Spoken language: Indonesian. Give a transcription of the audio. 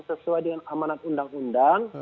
sesuai dengan amanat undang undang